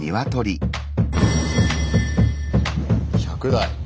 １００台。